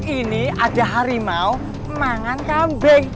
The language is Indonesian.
ini ada harimau mangan kambing